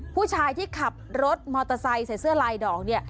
ผู้ชายที่ขับรถมอเตอร์ไซค์ใส่เสื้อลายดอกเนี่ย